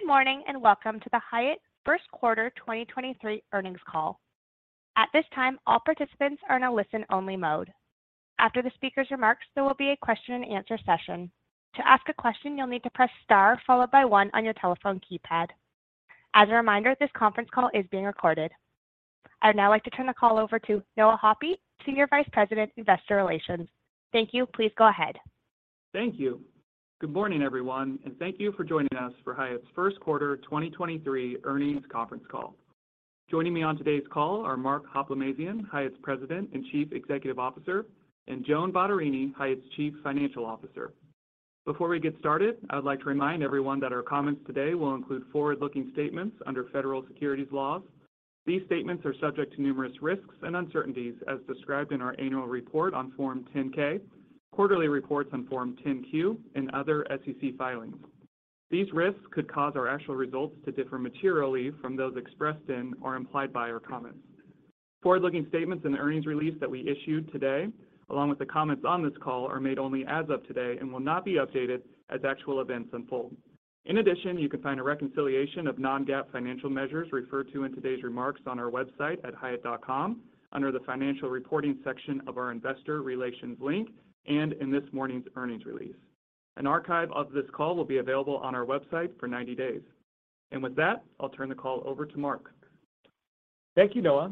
Good morning, and welcome to the Hyatt First Quarter 2023 Earnings Call. At this time, all participants are in a listen-only mode. After the speaker's remarks, there will be a questio-and-answer session. To ask a question, you'll need to press star followed by one on your telephone keypad. As a reminder, this conference call is being recorded. I'd now like to turn the call over to Noah Hoppe, Senior Vice President, Investor Relations. Thank you. Please go ahead. Thank you. Good morning, everyone, and thank you for joining us for Hyatt's First Quarter 2023 Earnings Conference Call. Joining me on today's call are Mark Hoplamazian, Hyatt's President and Chief Executive Officer, and Joan Bottarini, Hyatt's Chief Financial Officer. Before we get started, I would like to remind everyone that our comments today will include forward-looking statements under federal securities laws. These statements are subject to numerous risks and uncertainties as described in our annual report on Form 10-K, quarterly reports on Form 10-Q, and other SEC filings. These risks could cause our actual results to differ materially from those expressed in or implied by our comments. Forward-looking statements in the earnings release that we issued today, along with the comments on this call, are made only as of today and will not be updated as actual events unfold. In addition, you can find a reconciliation of non-GAAP financial measures referred to in today's remarks on our website at hyatt.com under the Financial Reporting section of our Investor Relations link and in this morning's earnings release. An archive of this call will be available on our website for 90 days. With that, I'll turn the call over to Mark. Thank you, Noah.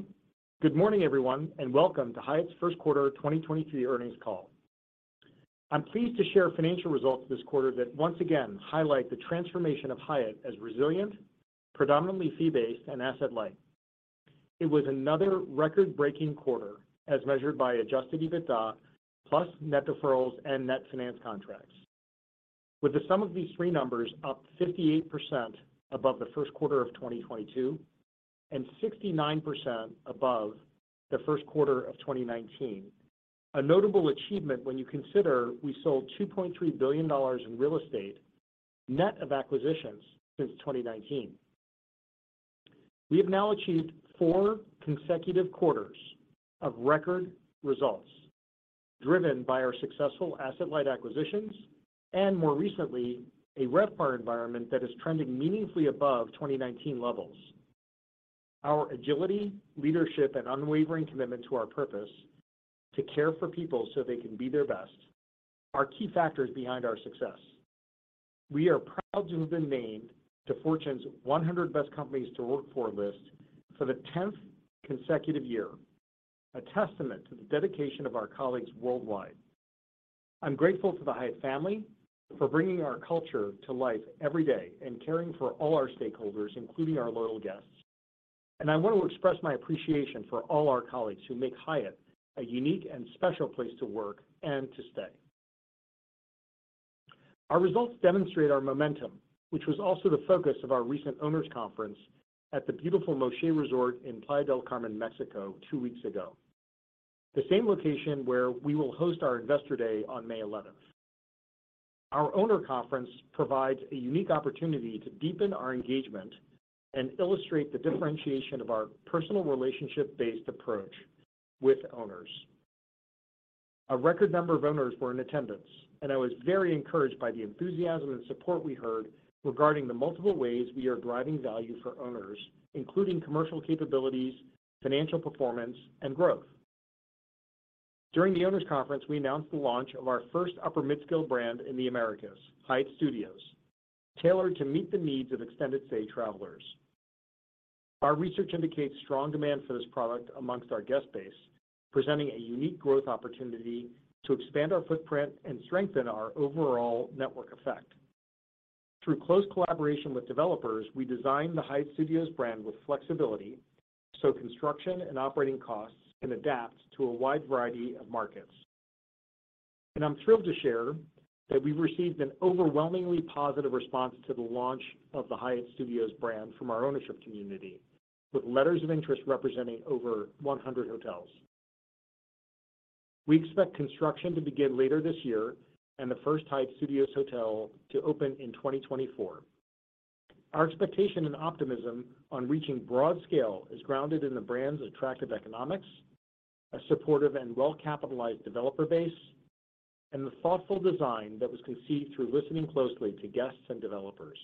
Good morning, everyone, and welcome to Hyatt's First Quarter 2023 Earnings Call. I'm pleased to share financial results this quarter that once again highlight the transformation of Hyatt as resilient, predominantly fee-based, and asset-light. It was another record-breaking quarter as measured by adjusted EBITDA plus Net Deferrals and Net Financed Contracts. With the sum of these three numbers up 58% above the first quarter of 2022 and 69% above the first quarter of 2019, a notable achievement when you consider we sold $2.3 billion in real estate net of acquisitions since 2019. We have now achieved four consecutive quarters of record results driven by our successful asset-light acquisitions and, more recently, a RevPAR environment that is trending meaningfully above 2019 levels. Our agility, leadership, and unwavering commitment to our purpose to care for people so they can be their best are key factors behind our success. We are proud to have been named to Fortune's 100 Best Companies to Work For list for the 10th consecutive year, a testament to the dedication of our colleagues worldwide. I'm grateful to the Hyatt family for bringing our culture to life every day and caring for all our stakeholders, including our loyal guests. I want to express my appreciation for all our colleagues who make Hyatt a unique and special place to work and to stay. Our results demonstrate our momentum, which was also the focus of our recent Owners' Conference at the beautiful Moxché Resort in Playa del Carmen, Mexico, two weeks ago, the same location where we will host our Investor Day on May 11th. Our Owners Conference provides a unique opportunity to deepen our engagement and illustrate the differentiation of our personal relationship-based approach with owners. A record number of owners were in attendance. I was very encouraged by the enthusiasm and support we heard regarding the multiple ways we are driving value for owners, including commercial capabilities, financial performance, and growth. During the Owners Conference, we announced the launch of our first upper midscale brand in the Americas, Hyatt Studios, tailored to meet the needs of extended stay travelers. Our research indicates strong demand for this product amongst our guest base, presenting a unique growth opportunity to expand our footprint and strengthen our overall network effect. Through close collaboration with developers, we designed the Hyatt Studios brand with flexibility so construction and operating costs can adapt to a wide variety of markets. I'm thrilled to share that we've received an overwhelmingly positive response to the launch of the Hyatt Studios brand from our ownership community, with letters of interest representing over 100 hotels. We expect construction to begin later this year and the first Hyatt Studios hotel to open in 2024. Our expectation and optimism on reaching broad scale is grounded in the brand's attractive economics, a supportive and well-capitalized developer base, and the thoughtful design that was conceived through listening closely to guests and developers.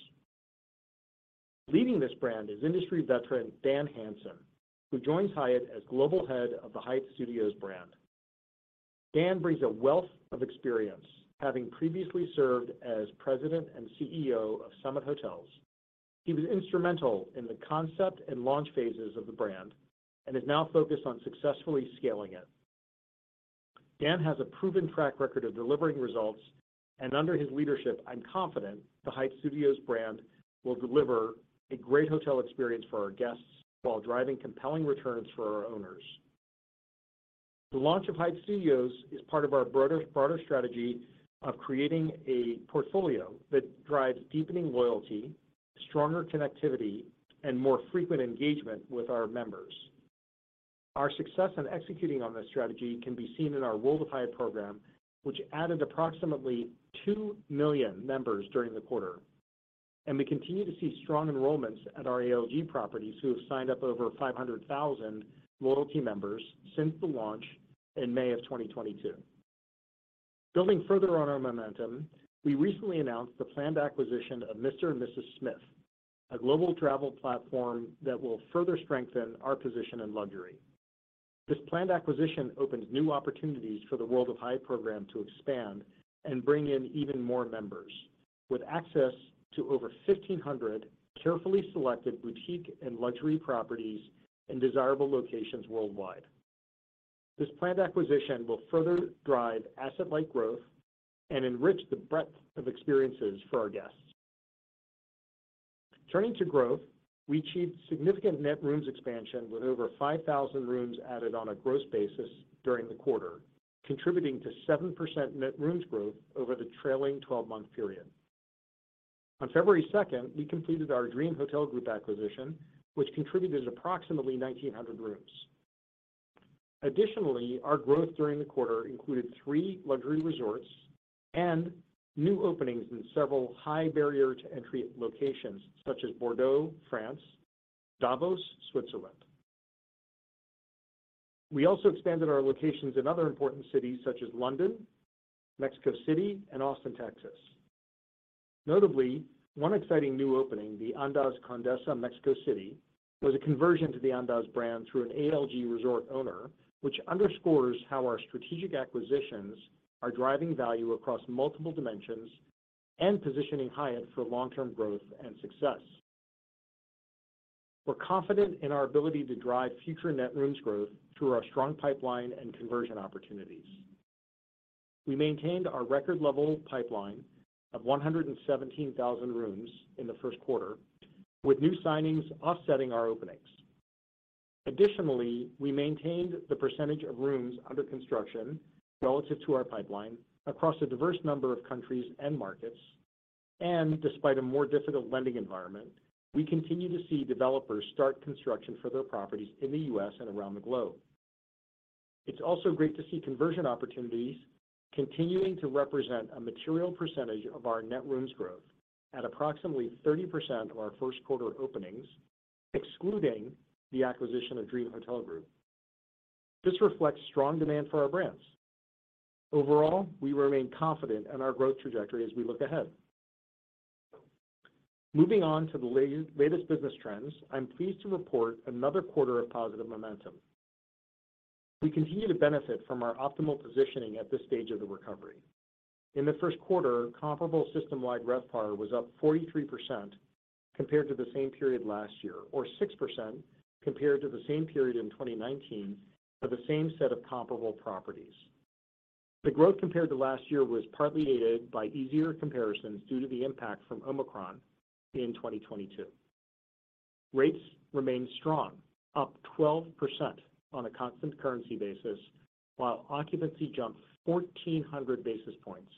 Leading this brand is industry veteran Dan Hansen, who joins Hyatt as Global Head of the Hyatt Studios brand. Dan brings a wealth of experience, having previously served as President and CEO of Summit Hotels. He was instrumental in the concept and launch phases of the brand and is now focused on successfully scaling it. Dan has a proven track record of delivering results. Under his leadership, I'm confident the Hyatt Studios brand will deliver a great hotel experience for our guests while driving compelling returns for our owners. The launch of Hyatt Studios is part of our broader strategy of creating a portfolio that drives deepening loyalty, stronger connectivity, and more frequent engagement with our members. Our success in executing on this strategy can be seen in our World of Hyatt program, which added approximately two million members during the quarter. We continue to see strong enrollments at our ALG properties, who have signed up over 500,000 loyalty members since the launch in May of 2022. Building further on our momentum, we recently announced the planned acquisition of Mr. and Mrs. Smith, a global travel platform that will further strengthen our position in luxury. This planned acquisition opens new opportunities for the World of Hyatt program to expand and bring in even more members with access to over 1,500 carefully selected boutique and luxury properties in desirable locations worldwide. This planned acquisition will further drive asset-light growth and enrich the breadth of experiences for our guests. Turning to growth, we achieved significant net rooms expansion with over 5,000 rooms added on a gross basis during the quarter, contributing to 7% net rooms growth over the trailing twelve-month period. On 2nd February, we completed our Dream Hotel Group acquisition, which contributed approximately 1,900 rooms. Additionally, our growth during the quarter included three luxury resorts and new openings in several high barrier to entry locations such as Bordeaux, France, Davos, Switzerland. We also expanded our locations in other important cities such as London, Mexico City and Austin, Texas. Notably, one exciting new opening, the Andaz Condesa Mexico City, was a conversion to the Andaz brand through an ALG resort owner, which underscores how our strategic acquisitions are driving value across multiple dimensions and positioning Hyatt for long-term growth and success. We're confident in our ability to drive future net rooms growth through our strong pipeline and conversion opportunities. We maintained our record level pipeline of 117,000 rooms in the first quarter, with new signings offsetting our openings. Additionally, we maintained the percentage of rooms under construction relative to our pipeline across a diverse number of countries and markets. Despite a more difficult lending environment, we continue to see developers start construction for their properties in the U.S. and around the globe. It's also great to see conversion opportunities continuing to represent a material percentage of our net rooms growth at approximately 30% of our first quarter openings, excluding the acquisition of Dream Hotel Group. This reflects strong demand for our brands. We remain confident in our growth trajectory as we look ahead. Moving on to the latest business trends, I'm pleased to report another quarter of positive momentum. We continue to benefit from our optimal positioning at this stage of the recovery. In the first quarter, comparable system-wide RevPAR was up 43% compared to the same period last year, or 6% compared to the same period in 2019 for the same set of comparable properties. The growth compared to last year was partly aided by easier comparisons due to the impact from Omicron in 2022. Rates remained strong, up 12% on a constant currency basis, while occupancy jumped 1,400 basis points.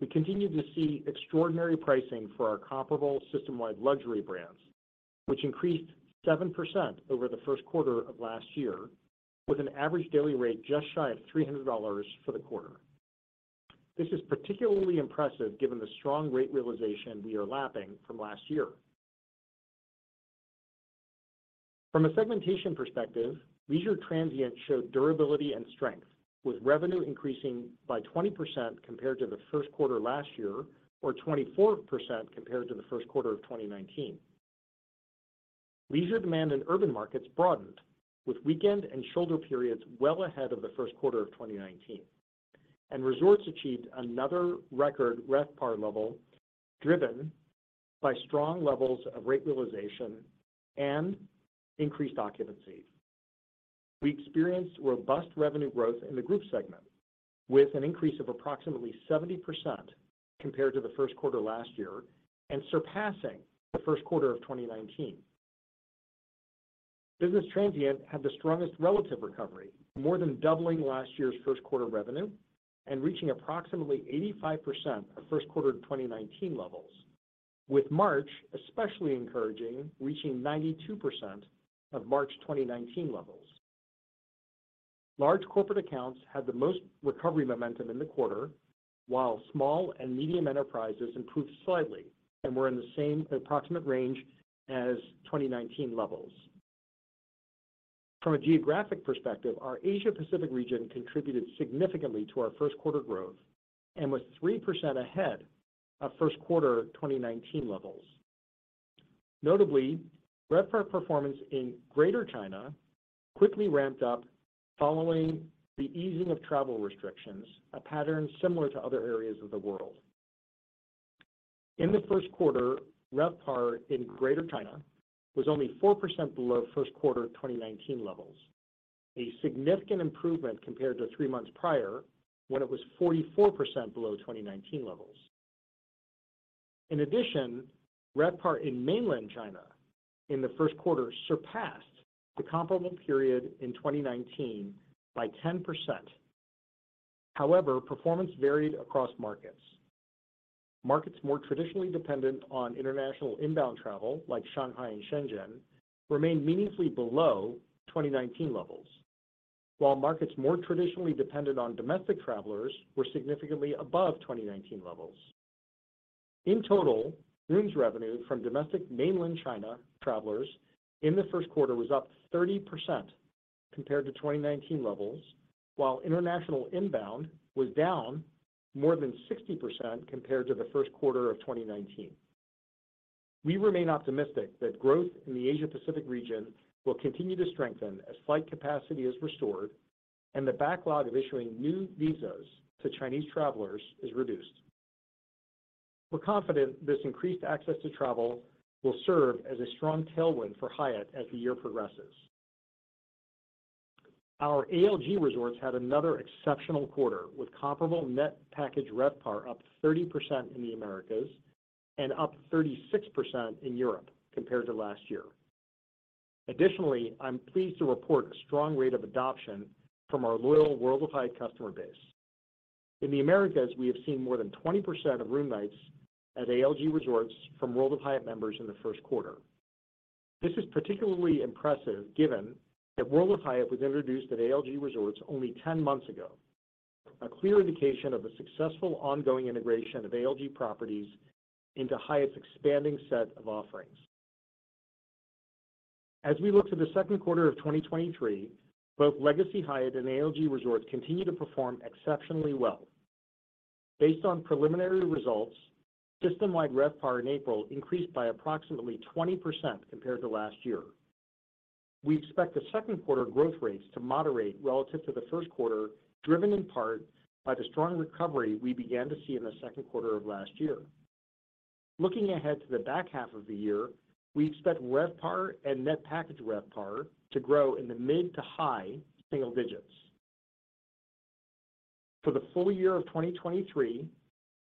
We continue to see extraordinary pricing for our comparable system-wide luxury brands, which increased 7% over the first quarter of last year with an average daily rate just shy of $300 for the quarter. This is particularly impressive given the strong rate realization we are lapping from last year. From a segmentation perspective, leisure transient showed durability and strength, with revenue increasing by 20% compared to the first quarter last year or 24% compared to the first quarter of 2019. Resorts achieved another record RevPAR level, driven by strong levels of rate realization and increased occupancy. We experienced robust revenue growth in the group segment with an increase of approximately 70% compared to the first quarter last year and surpassing the first quarter of 2019. Business transient had the strongest relative recovery, more than doubling last year's first quarter revenue and reaching approximately 85% of first quarter of 2019 levels, with March especially encouraging, reaching 92% of March 2019 levels. Large corporate accounts had the most recovery momentum in the quarter, while small and medium enterprises improved slightly and were in the same approximate range as 2019 levels. From a geographic perspective, our Asia Pacific region contributed significantly to our first quarter growth and was 3% ahead of first quarter 2019 levels. Notably, RevPAR performance in Greater China quickly ramped up following the easing of travel restrictions, a pattern similar to other areas of the world. In the first quarter, RevPAR in Greater China was only 4% below first quarter 2019 levels, a significant improvement compared to three months prior when it was 44% below 2019 levels. RevPAR in Mainland China in the first quarter surpassed the comparable period in 2019 by 10%. Performance varied across markets. Markets more traditionally dependent on international inbound travel, like Shanghai and Shenzhen, remained meaningfully below 2019 levels. Markets more traditionally dependent on domestic travelers were significantly above 2019 levels. In total, rooms revenue from domestic Mainland China travelers in the first quarter was up 30% compared to 2019 levels, while international inbound was down more than 60% compared to the first quarter of 2019. We remain optimistic that growth in the Asia-Pacific region will continue to strengthen as flight capacity is restored and the backlog of issuing new visas to Chinese travelers is reduced. We're confident this increased access to travel will serve as a strong tailwind for Hyatt as the year progresses. Our ALG Resorts had another exceptional quarter, with comparable net package RevPAR up 30% in the Americas and up 36% in Europe compared to last year. Additionally, I'm pleased to report a strong rate of adoption from our loyal World of Hyatt customer base. In the Americas, we have seen more than 20% of room nights at ALG Resorts from World of Hyatt members in the first quarter. This is particularly impressive given that World of Hyatt was introduced at ALG Resorts only 10 months ago, a clear indication of the successful ongoing integration of ALG properties into Hyatt's expanding set of offerings. As we look to the second quarter of 2023, both Legacy Hyatt and ALG Resorts continue to perform exceptionally well. Based on preliminary results, system-wide RevPAR in April increased by approximately 20% compared to last year. We expect the second quarter growth rates to moderate relative to the first quarter, driven in part by the strong recovery we began to see in the second quarter of last year. Looking ahead to the back half of the year, we expect RevPAR and net package RevPAR to grow in the mid to high single digits. For the full year of 2023,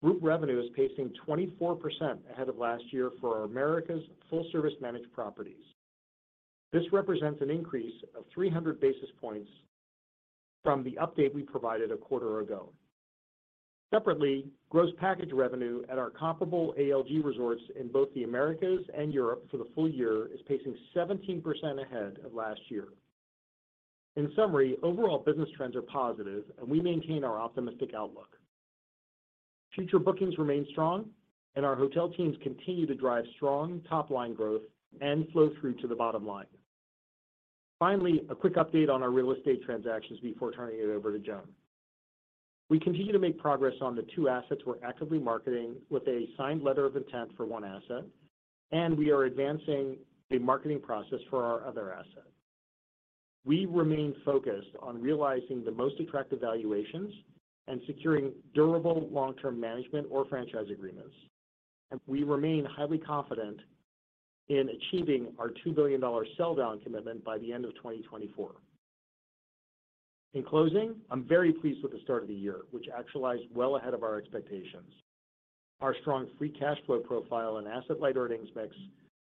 group revenue is pacing 24% ahead of last year for our Americas full-service managed properties. This represents an increase of 300 basis points from the update we provided a quarter ago. Separately, gross package revenue at our comparable ALG Resorts in both the Americas and Europe for the full year is pacing 17% ahead of last year. In summary, overall business trends are positive, and we maintain our optimistic outlook. Future bookings remain strong, and our hotel teams continue to drive strong top-line growth and flow through to the bottom line. A quick update on our real estate transactions before turning it over to Joan. We continue to make progress on the two assets we're actively marketing with a signed letter of intent for one asset, and we are advancing a marketing process for our other asset. We remain focused on realizing the most attractive valuations and securing durable long-term management or franchise agreements. We remain highly confident in achieving our $2 billion sell down commitment by the end of 2024. In closing, I'm very pleased with the start of the year, which actualized well ahead of our expectations. Our strong free cash flow profile and asset-light earnings mix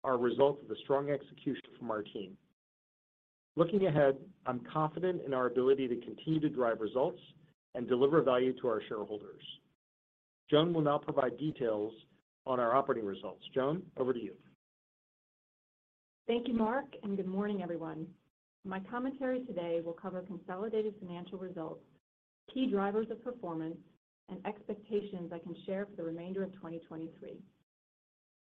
are a result of the strong execution from our team. Looking ahead, I'm confident in our ability to continue to drive results and deliver value to our shareholders. Joan will now provide details on our operating results. Joan, over to you. Thank you, Mark, and good morning, everyone. My commentary today will cover consolidated financial results, key drivers of performance, and expectations I can share for the remainder of 2023.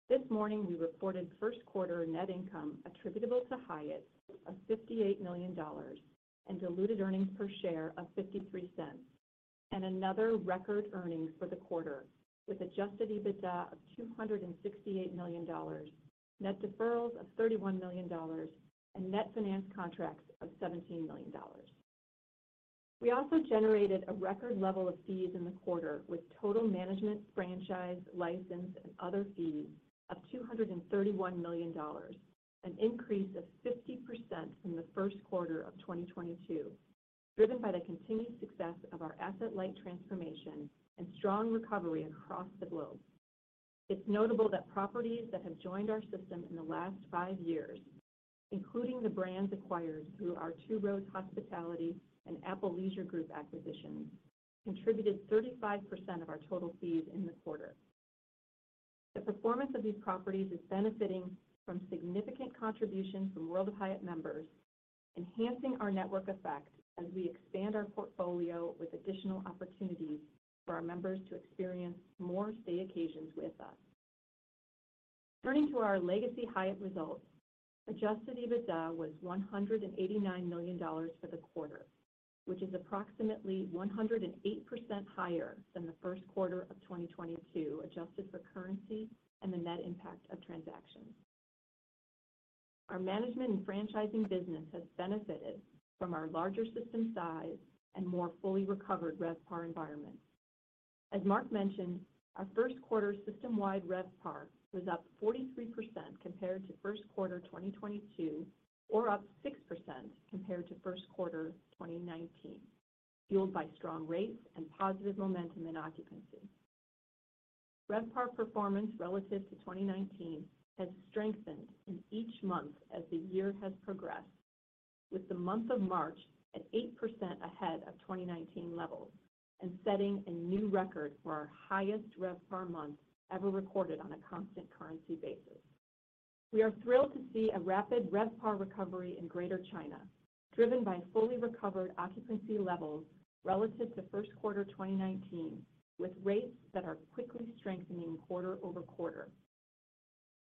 This morning, we reported first quarter net income attributable to Hyatt of $58 million and diluted earnings per share of $0.53, and another record earnings for the quarter with adjusted EBITDA of $268 million, Net Deferrals of $31 million and Net Financed Contracts of $17 million. We also generated a record level of fees in the quarter with total management, franchise, license, and other fees of $231 million, an increase of 50% from the first quarter of 2022, driven by the continued success of our asset-light transformation and strong recovery across the globe. It's notable that properties that have joined our system in the last five years, including the brands acquired through our Two Roads Hospitality and Apple Leisure Group acquisitions, contributed 35% of our total fees in the quarter. The performance of these properties is benefiting from significant contributions from World of Hyatt members, enhancing our network effect as we expand our portfolio with additional opportunities for our members to experience more stay occasions with us. Turning to our Legacy Hyatt results, adjusted EBITDA was $189 million for the quarter, which is approximately 108% higher than the first quarter of 2022, adjusted for currency and the net impact of transactions. Our management and franchising business has benefited from our larger system size and more fully recovered RevPAR environment. As Mark mentioned, our first quarter system-wide RevPAR was up 43% compared to first quarter 2022 or up 6% compared to first quarter 2019, fueled by strong rates and positive momentum in occupancy. RevPAR performance relative to 2019 has strengthened in each month as the year has progressed, with the month of March at 8% ahead of 2019 levels and setting a new record for our highest RevPAR month ever recorded on a constant currency basis. We are thrilled to see a rapid RevPAR recovery in Greater China, driven by fully recovered occupancy levels relative to first quarter 2019, with rates that are quickly strengthening quarter-over-quarter.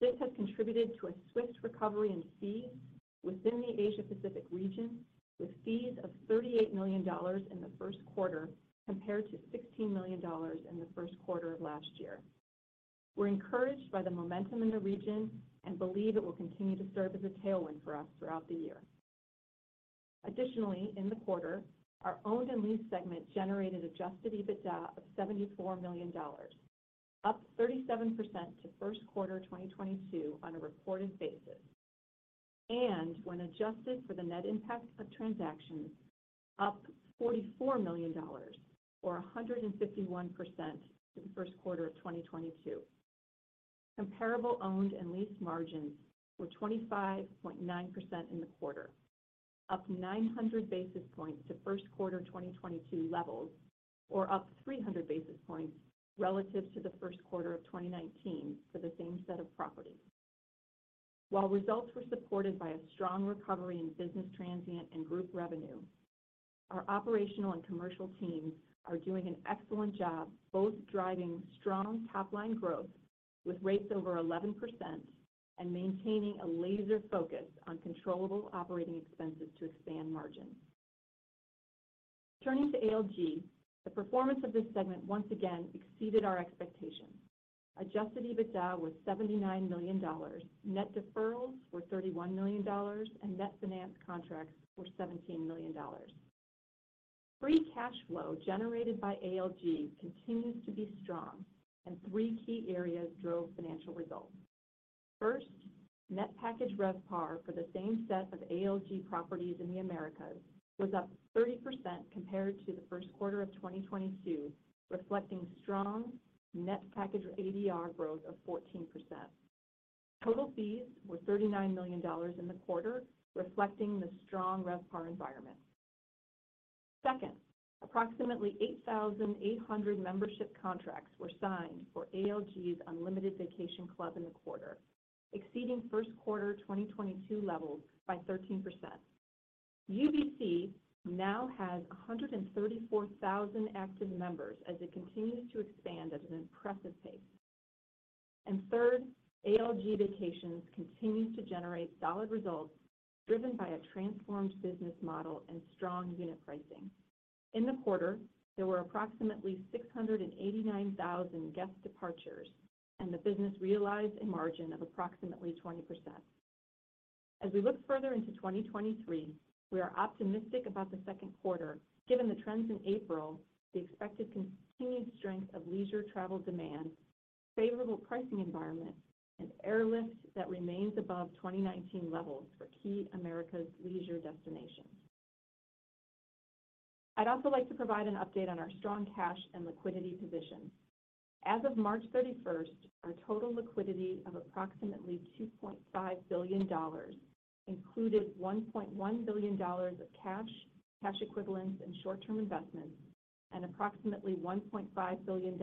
This has contributed to a swift recovery in fees within the Asia Pacific region, with fees of $38 million in the first quarter compared to $16 million in the first quarter of last year. We're encouraged by the momentum in the region and believe it will continue to serve as a tailwind for us throughout the year. In the quarter, our owned and leased segment generated adjusted EBITDA of $74 million, up 37% to first quarter 2022 on a reported basis. When adjusted for the net impact of transactions, up $44 million or 151% to the first quarter of 2022. Comparable owned and leased margins were 25.9% in the quarter, up 900 basis points to first quarter 2022 levels, or up 300 basis points relative to the first quarter of 2019 for the same set of properties. Results were supported by a strong recovery in business transient and group revenue, our operational and commercial teams are doing an excellent job both driving strong top line growth with rates over 11% and maintaining a laser focus on controllable operating expenses to expand margin. Turning to ALG, the performance of this segment once again exceeded our expectations. Adjusted EBITDA was $79 million. Net deferrals were $31 million, and net financed contracts were $17 million. Free cash flow generated by ALG continues to be strong. Three key areas drove financial results. First, net package RevPAR for the same set of ALG properties in the Americas was up 30% compared to the first quarter of 2022, reflecting strong net package ADR growth of 14%. Total fees were $39 million in the quarter, reflecting the strong RevPAR environment. Second, approximately 8,800 membership contracts were signed for ALG's Unlimited Vacation Club in the quarter, exceeding first quarter 2022 levels by 13%. UVC now has 134,000 active members as it continues to expand at an impressive pace. Third, ALG Vacations continues to generate solid results driven by a transformed business model and strong unit pricing. In the quarter, there were approximately 689,000 guest departures, and the business realized a margin of approximately 20%. As we look further into 2023, we are optimistic about the second quarter, given the trends in April, the expected continued strength of leisure travel demand, favorable pricing environment, and airlift that remains above 2019 levels for key America's leisure destinations. I'd also like to provide an update on our strong cash and liquidity position. As of 31st March, our total liquidity of approximately $2.5 billion included $1.1 billion of cash equivalents, and short-term investments, and approximately $1.5 billion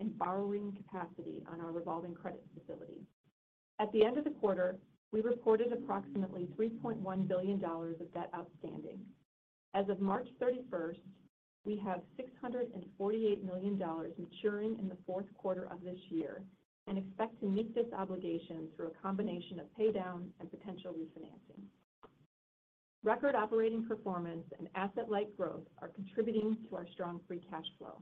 in borrowing capacity on our revolving credit facility. At the end of the quarter, we reported approximately $3.1 billion of debt outstanding. As of 31st March, we have $648 million maturing in the fourth quarter of this year and expect to meet this obligation through a combination of paydown and potential refinancing. Record operating performance and asset-light growth are contributing to our strong free cash flow.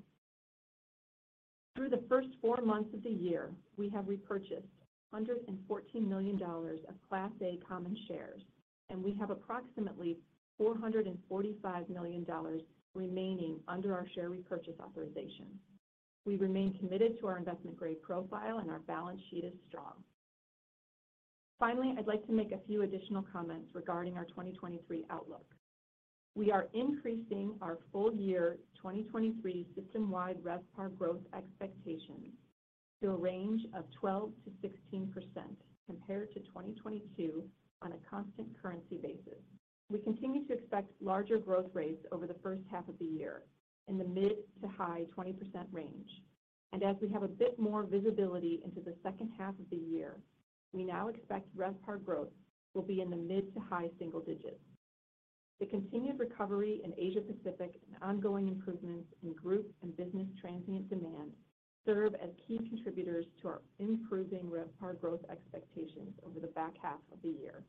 Through the first four months of the year, we have repurchased $114 million of Class A common shares, and we have approximately $445 million remaining under our share repurchase authorization. We remain committed to our investment-grade profile, and our balance sheet is strong. Finally, I'd like to make a few additional comments regarding our 2023 outlook. We are increasing our full year 2023 system-wide RevPAR growth expectations to a range of 12%-16% compared to 2022 on a constant currency basis. We continue to expect larger growth rates over the first half of the year in the mid to high 20% range. As we have a bit more visibility into the second half of the year, we now expect RevPAR growth will be in the mid to high single digits. The continued recovery in Asia Pacific and ongoing improvements in group and business transient demand serve as key contributors to our improving RevPAR growth expectations over the back half of the year.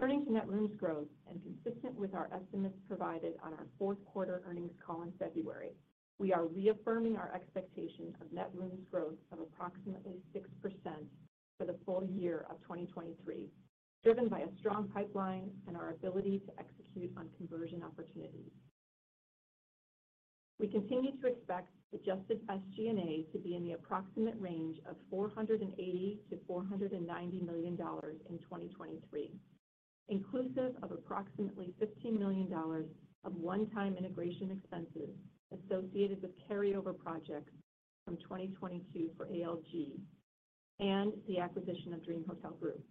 Turning to net rooms growth and consistent with our estimates provided on our fourth quarter earnings call in February, we are reaffirming our expectation of net rooms growth of approximately 6% for the full year of 2023, driven by a strong pipeline and our ability to execute on conversion opportunities. We continue to expect adjusted SG&A to be in the approximate range of $480 million to $490 million in 2023, inclusive of approximately $15 million of one-time integration expenses associated with carryover projects from 2022 for ALG and the acquisition of Dream Hotel Group.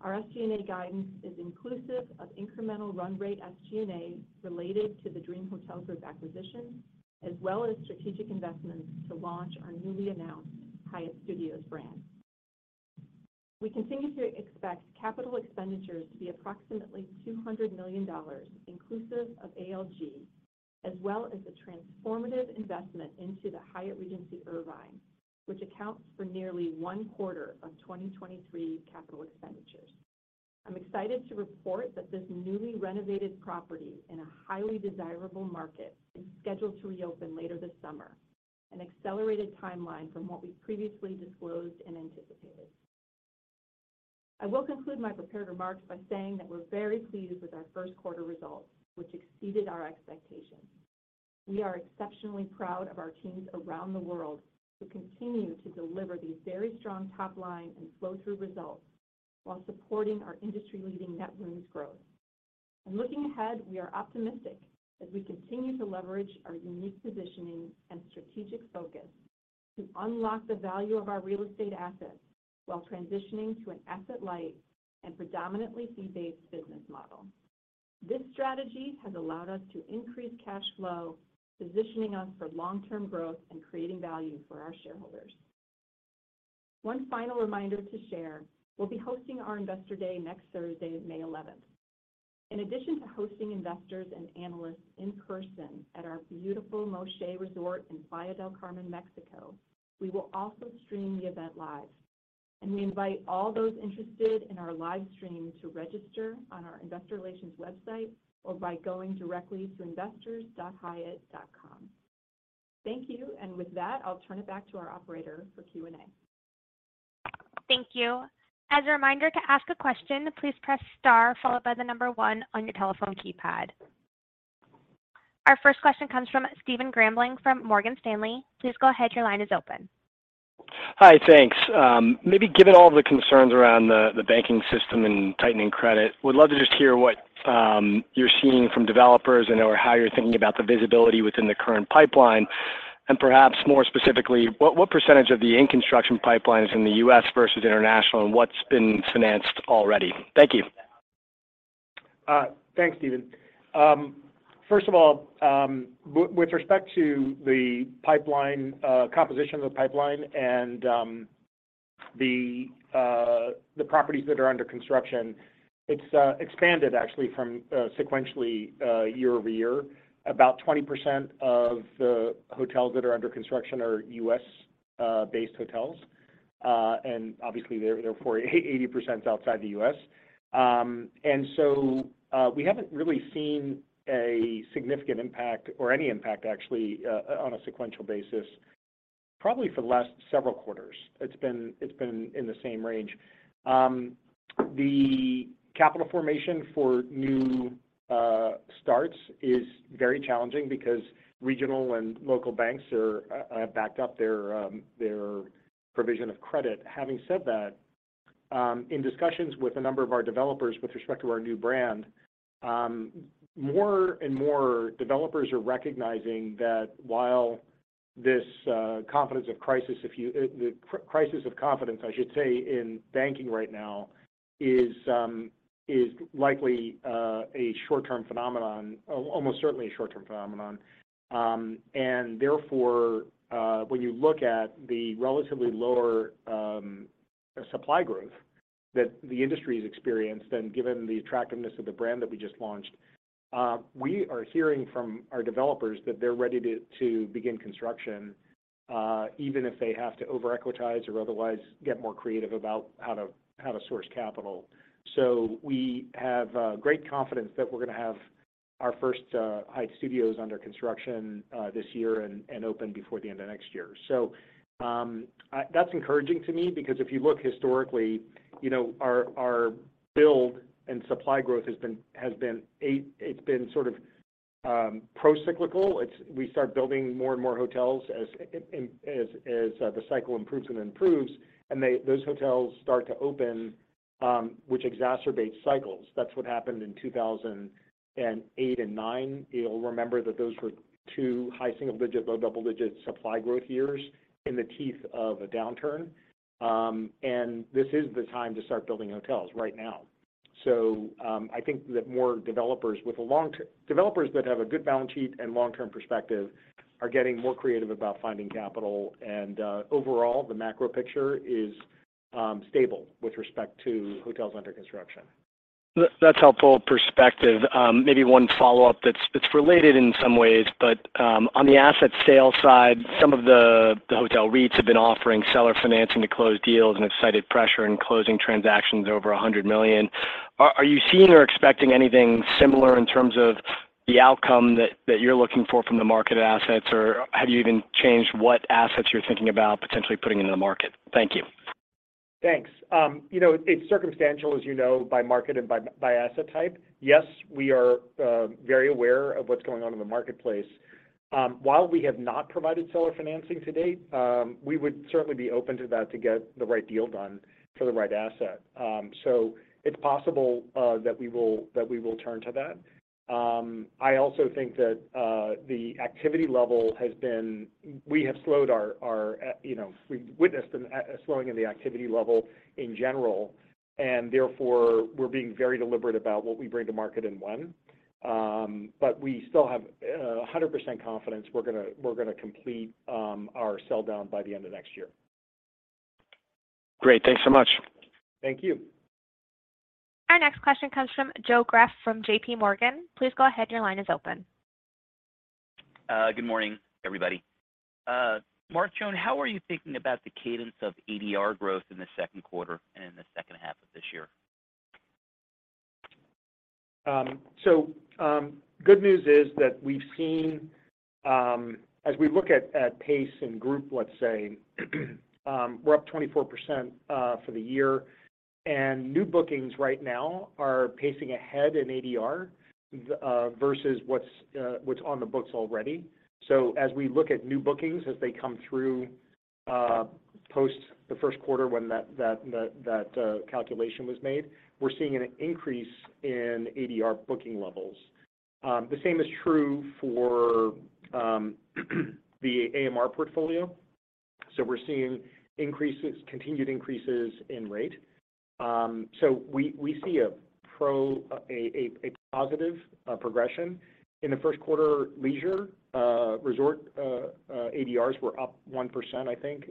Our SG&A guidance is inclusive of incremental run rate SG&A related to the Dream Hotel Group acquisition, as well as strategic investments to launch our newly announced Hyatt Studios brand. We continue to expect capital expenditures to be approximately $200 million, inclusive of ALG, as well as a transformative investment into the Hyatt Regency Irvine, which accounts for nearly one quarter of 2023 capital expenditures. I'm excited to report that this newly renovated property in a highly desirable market is scheduled to reopen later this summer, an accelerated timeline from what we previously disclosed and anticipated. I will conclude my prepared remarks by saying that we're very pleased with our first quarter results, which exceeded our expectations. We are exceptionally proud of our teams around the world who continue to deliver these very strong top line and flow-through results while supporting our industry-leading net rooms growth. Looking ahead, we are optimistic as we continue to leverage our unique positioning and strategic focus to unlock the value of our real estate assets while transitioning to an asset-light and predominantly fee-based business model. This strategy has allowed us to increase cash flow, positioning us for long-term growth and creating value for our shareholders. One final reminder to share, we'll be hosting our Investor Day next Thursday, May 11th. In addition to hosting investors and analysts in person at our beautiful Moxché Resort in Playa del Carmen, Mexico, we will also stream the event live, and we invite all those interested in our live stream to register on our investor relations website or by going directly to investors.hyatt.com. Thank you. With that, I'll turn it back to our operator for Q&A. Thank you. As a reminder, to ask a question, please press star followed by the number one on your telephone keypad. Our first question comes from Steven Grambling from Morgan Stanley. Please go ahead. Your line is open. Hi. Thanks. Maybe given all the concerns around the banking system and tightening credit, would love to just hear what you're seeing from developers and/or how you're thinking about the visibility within the current pipeline, and perhaps more specifically, what percentage of the in-construction pipeline is in the U.S. versus international, and what's been financed already? Thank you. Thanks, Steven. First of all, with respect to the pipeline, composition of the pipeline and the properties that are under construction, it's expanded actually from sequentially year-over-year. About 20% of the hotels that are under construction are U.S.-based hotels, and obviously, they're 80% outside the U.S. We haven't really seen a significant impact or any impact actually, on a sequential basis probably for the last several quarters. It's been in the same range. The capital formation for new starts is very challenging because regional and local banks are backed up their provision of credit. Having said that, in discussions with a number of our developers with respect to our new brand, more and more developers are recognizing that while this, the crisis of confidence, I should say, in banking right now is likely a short-term phenomenon, almost certainly a short-term phenomenon. Therefore, when you look at the relatively lower supply growth that the industry has experienced and given the attractiveness of the brand that we just launched, we are hearing from our developers that they're ready to begin construction, even if they have to over-equitize or otherwise get more creative about how to source capital. We have great confidence that we're going to have our first Hyatt Studios under construction this year and open before the end of next year. That's encouraging to me because if you look historically, you know, our build and supply growth has been eight it's been sort of procyclical. We start building more and more hotels as the cycle improves and improves, and those hotels start to open, which exacerbates cycles. That's what happened in 2008 and 2009. You'll remember that those were two high single-digit, low double-digit supply growth years in the teeth of a downturn. This is the time to start building hotels right now. I think that more developers that have a good balance sheet and long-term perspective are getting more creative about finding capital. overall, the macro picture is stable with respect to hotels under construction. That's helpful perspective. maybe one follow-up that's related in some ways. On the asset sale side, some of the hotel REITs have been offering seller financing to close deals and have cited pressure in closing transactions over $100 million. Are you seeing or expecting anything similar in terms of the outcome that you're looking for from the market assets, or have you even changed what assets you're thinking about potentially putting into the market? Thank you. Thanks. You know, it's circumstantial, as you know, by market and by asset type. Yes, we are very aware of what's going on in the marketplace. While we have not provided seller financing to date, we would certainly be open to that to get the right deal done for the right asset. It's possible that we will turn to that. I also think that, you know, we've witnessed a slowing in the activity level in general, and therefore, we're being very deliberate about what we bring to market and when. We still have 100% confidence we're gonna complete our sell-down by the end of next year. Great. Thanks so much. Thank you. Our next question comes from Joe Greff from JPMorgan. Please go ahead. Your line is open. Good morning, everybody. Mark, Joan, how are you thinking about the cadence of ADR growth in the second quarter and in the second half of this year? Good news is that we've seen, as we look at pace and group, let's say, we're up 24% for the year, and new bookings right now are pacing ahead in ADR versus what's on the books already. As we look at new bookings as they come through, post the first quarter when that calculation was made, we're seeing an increase in ADR booking levels. The same is true for the AMR portfolio. We're seeing continued increases in rate. We see a positive progression. In the first quarter, leisure resort ADRs were up 1%, I think,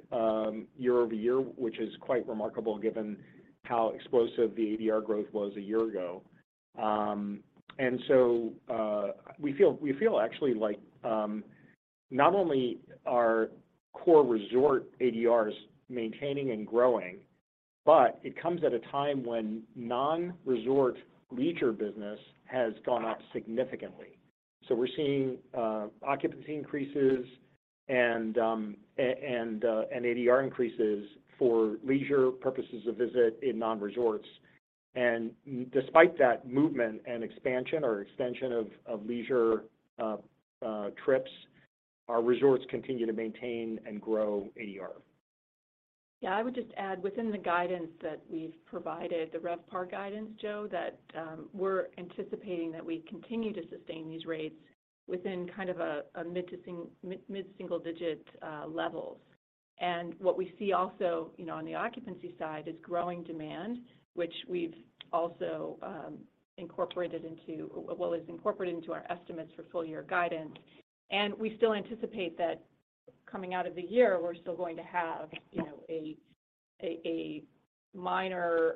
year-over-year, which is quite remarkable given how explosive the ADR growth was a year ago. We feel actually like, not only are core resort ADRs maintaining and growing, but it comes at a time when non-resort leisure business has gone up significantly. We're seeing occupancy increases and ADR increases for leisure purposes of visit in non-resorts. Despite that movement and expansion or extension of leisure trips, our resorts continue to maintain and grow ADR. Yeah. I would just add within the guidance that we've provided, the RevPAR guidance, Joe, that, we're anticipating that we continue to sustain these rates within kind of a mid single digit levels. What we see also, you know, on the occupancy side is growing demand, which we've also, well, is incorporated into our estimates for full year guidance. We still anticipate that coming out of the year, we're still going to have, you know, a minor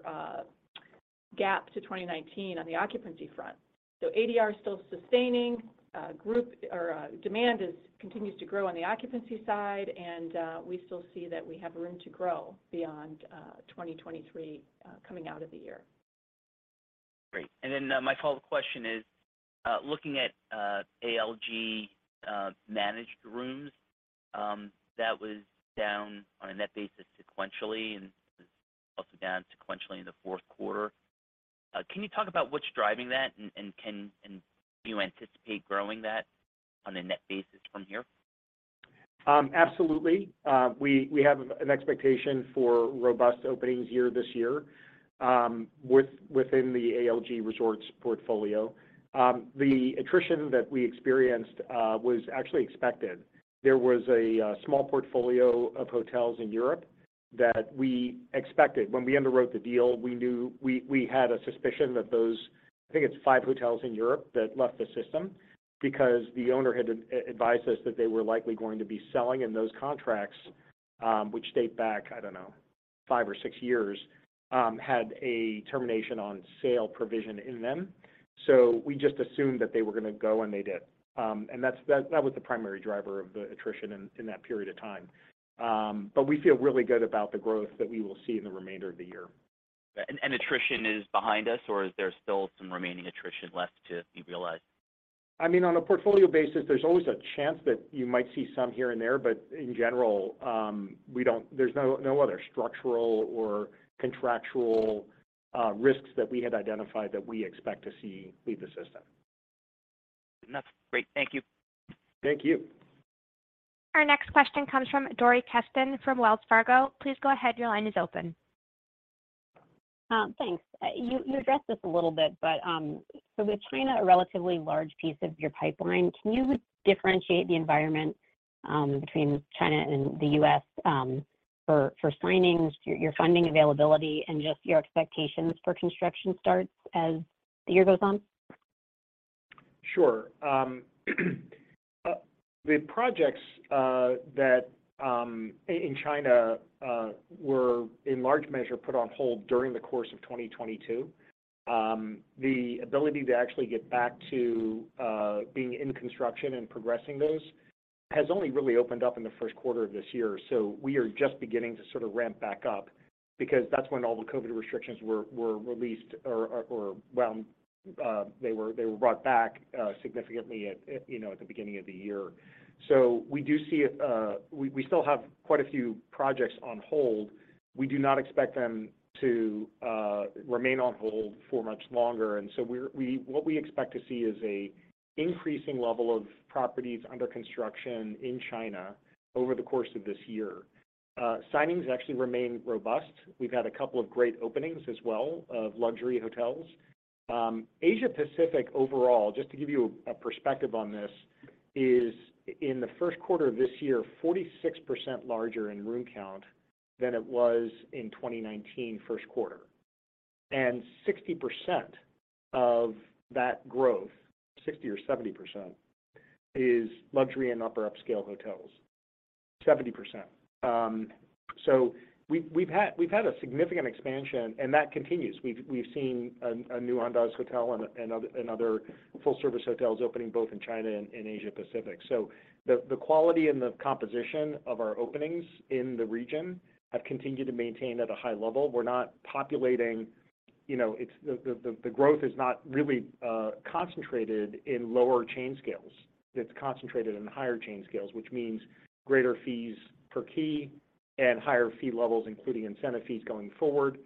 gap to 2019 on the occupancy front. ADR is still sustaining, group or, demand continues to grow on the occupancy side, and we still see that we have room to grow beyond 2023 coming out of the year. Great. My follow-up question is, looking at ALG managed rooms, that was down on a net basis sequentially and also down sequentially in the fourth quarter. Can you talk about what's driving that? Do you anticipate growing that on a net basis from here? Absolutely. We have an expectation for robust openings here this year, within the ALG Resorts portfolio. The attrition that we experienced was actually expected. There was a small portfolio of hotels in Europe that we expected. When we underwrote the deal, we had a suspicion that those, I think it's five hotels in Europe that left the system because the owner had advised us that they were likely going to be selling, and those contracts, which date back, I don't know, five or six years, had a termination on sale provision in them. We just assumed that they were gonna go, and they did. That was the primary driver of the attrition in that period of time. We feel really good about the growth that we will see in the remainder of the year. Attrition is behind us, or is there still some remaining attrition left to be realized? I mean, on a portfolio basis, there's always a chance that you might see some here and there. In general, there's no other structural or contractual risks that we had identified that we expect to see leave the system. That's great. Thank you. Thank you. Our next question comes from Dori Klesch from Wells Fargo. Please go ahead. Your line is open. Thanks. You addressed this a little bit, but, so with China a relatively large piece of your pipeline, can you differentiate the environment, between China and the U.S., for signings, your funding availability, and just your expectations for construction starts as the year goes on? Sure. The projects that in China were in large measure put on hold during the course of 2022. The ability to actually get back to being in construction and progressing those has only really opened up in the first quarter of this year. We are just beginning to sort of ramp back up because that's when all the COVID restrictions were released or, well, they were brought back significantly at, you know, at the beginning of the year. We do see a we still have quite a few projects on hold. We do not expect them to remain on hold for much longer. We what we expect to see is a increasing level of properties under construction in China over the course of this year. Signings actually remain robust. We've had a couple of great openings as well of luxury hotels. Asia Pacific overall, just to give you a perspective on this, is in the first quarter of this year, 46% larger in room count than it was in 2019 first quarter. 60% of that growth, 60% or 70% is luxury and upper upscale hotels. 70%. We've had a significant expansion, and that continues. We've, we've seen a new Andaz hotel and other full service hotels opening both in China and in Asia Pacific. The quality and the composition of our openings in the region have continued to maintain at a high level. We're not populating you know, the growth is not really concentrated in lower chain scales. It's concentrated in higher chain scales, which means greater fees per key and higher fee levels, including incentive fees going forward.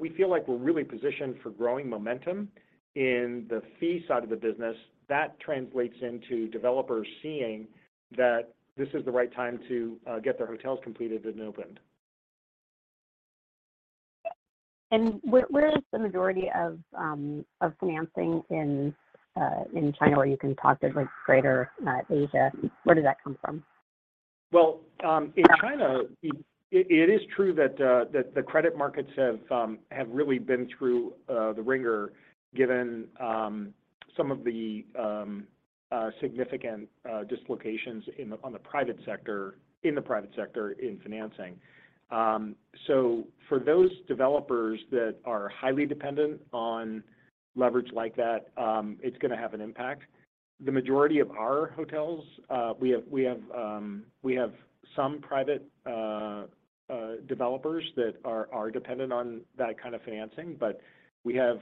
We feel like we're really positioned for growing momentum in the fee side of the business. That translates into developers seeing that this is the right time to get their hotels completed and opened. Where is the majority of financing in China, where you can talk of like Greater Asia? Where does that come from? In China, it is true that the credit markets have really been through the wringer given some of the significant dislocations in the private sector in financing. For those developers that are highly dependent on leverage like that, it's gonna have an impact. The majority of our hotels, we have some private developers that are dependent on that kind of financing, but we have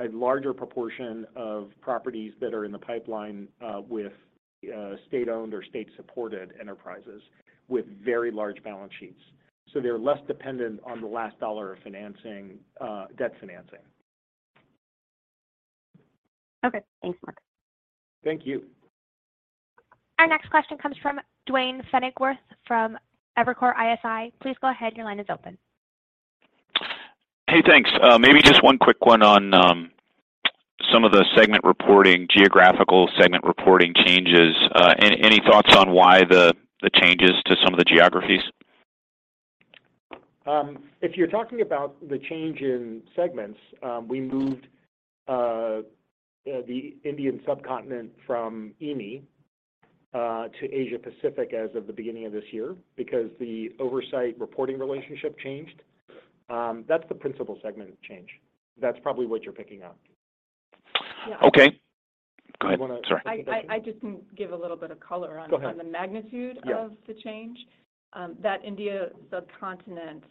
a larger proportion of properties that are in the pipeline with state-owned or state-supported enterprises with very large balance sheets, so they're less dependent on the last dollar of financing, debt financing. Okay. Thanks, Mark. Thank you. Our next question comes from Duane Pfennigwerth from Evercore ISI. Please go ahead. Your line is open. Hey, thanks. Maybe just one quick one on some of the geographical segment reporting changes. Any thoughts on why the changes to some of the geographies? If you're talking about the change in segments, we moved the Indian subcontinent from EAME to Asia Pacific as of the beginning of this year because the oversight reporting relationship changed. That's the principal segment of change. That's probably what you're picking up. Okay. Go ahead. Sorry. You wanna I just can give a little bit of color. Go ahead. On the magnitude of Yeah The change. That India subcontinent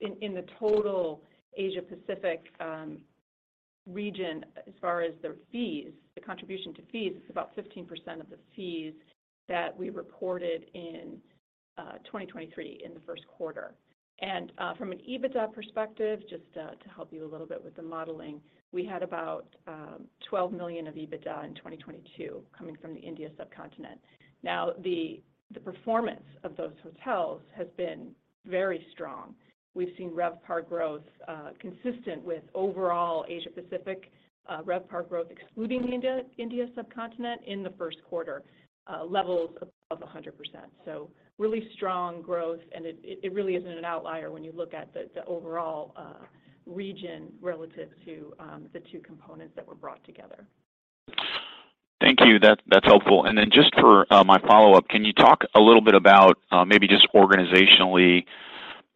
in the total Asia Pacific region as far as their fees, the contribution to fees, it's about 15% of the fees that we reported in 2023 in the first quarter. From an EBITDA perspective, just to help you a little bit with the modeling, we had about $12 million of EBITDA in 2022 coming from the India subcontinent. The performance of those hotels has been very strong. We've seen RevPAR growth consistent with overall Asia Pacific RevPAR growth, excluding the India subcontinent in the first quarter, levels above 100%. Really strong growth, and it really isn't an outlier when you look at the overall region relative to the two components that were brought together. Thank you. That's helpful. Then just for my follow-up, can you talk a little bit about maybe just organizationally,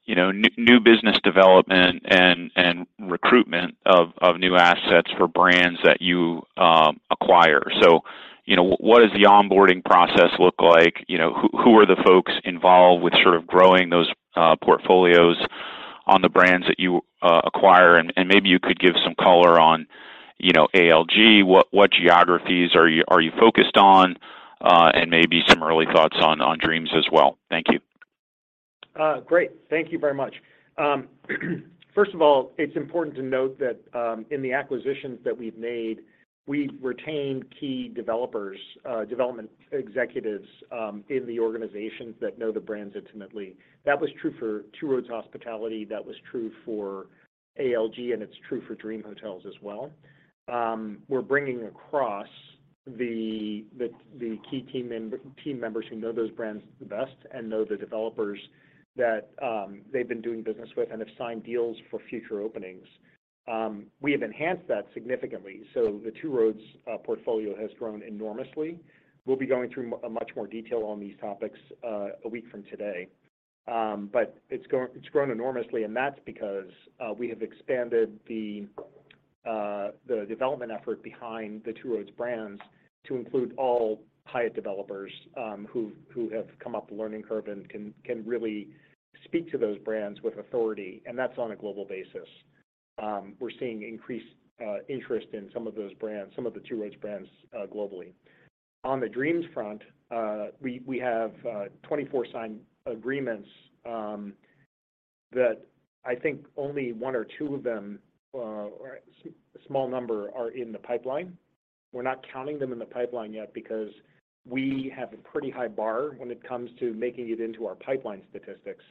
you know, new business development and recruitment of new assets for brands that you acquire? You know, what does the onboarding process look like? You know, who are the folks involved with sort of growing those portfolios on the brands that you acquire? And maybe you could give some color on, you know, ALG, what geographies are you focused on? Maybe some early thoughts on Dreams as well. Thank you. Great. Thank you very much. First of all, it's important to note that in the acquisitions that we've made, we retain key developers, development executives, in the organizations that know the brands intimately. That was true for Two Roads Hospitality. That was true for ALG, and it's true for Dream Hotels as well. We're bringing across the key team members who know those brands the best and know the developers that they've been doing business with and have signed deals for future openings. We have enhanced that significantly, so the Two Roads portfolio has grown enormously. We'll be going through much more detail on these topics a week from today. It's grown enormously, and that's because we have expanded the development effort behind the Two Roads brands to include all Hyatt developers who have come up the learning curve and can really speak to those brands with authority, and that's on a global basis. We're seeing increased interest in some of those brands, some of the Two Roads brands, globally. On the Dreams front, we have 24 signed agreements that I think only one or 2 of them, or small number are in the pipeline. We're not counting them in the pipeline yet because we have a pretty high bar when it comes to making it into our pipeline statistics.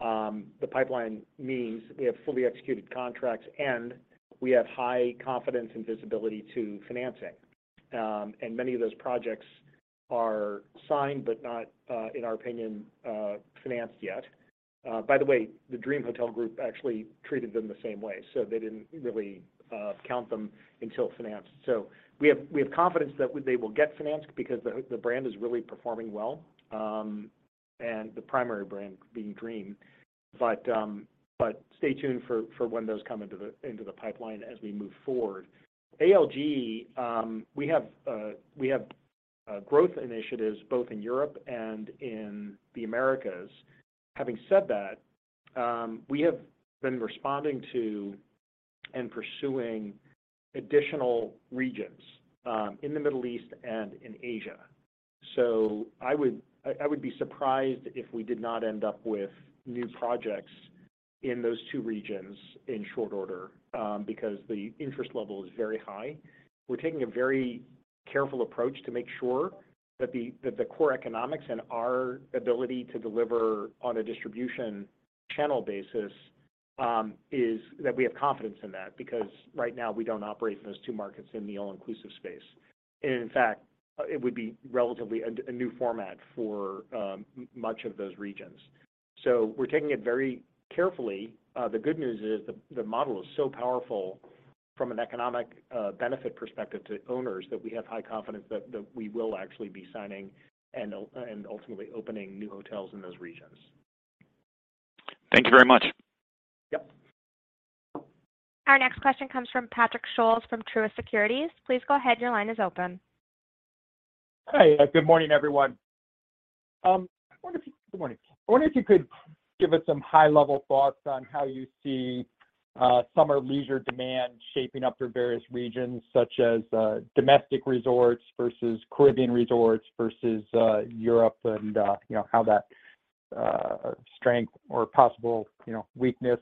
The pipeline means we have fully executed contracts and we have high confidence and visibility to financing. Many of those projects are signed, but not in our opinion, financed yet. By the way, The Dream Hotel Group actually treated them the same way, so they didn't really count them until financed. We have confidence that they will get financed because the brand is really performing well, and the primary brand being Dream. Stay tuned for when those come into the pipeline as we move forward. ALG, we have growth initiatives both in Europe and in the Americas. Having said that, we have been responding to and pursuing additional regions in the Middle East and in Asia. I would be surprised if we did not end up with new projects in those two regions in short order, because the interest level is very high. We're taking a very careful approach to make sure that the core economics and our ability to deliver on a distribution channel basis, is that we have confidence in that. Right now we don't operate in those two markets in the all-inclusive space. In fact, it would be relatively a new format for much of those regions. We're taking it very carefully. The good news is the model is so powerful from an economic benefit perspective to owners that we have high confidence that we will actually be signing and ultimately opening new hotels in those regions. Thank you very much. Yep. Our next question comes from Patrick Scholes from Truist Securities. Please go ahead, your line is open. Hi. Good morning, everyone. Good morning. I wonder if you could give us some high-level thoughts on how you see summer leisure demand shaping up for various regions such as domestic resorts versus Caribbean resorts versus Europe and, you know, how that strength or possible, you know, weakness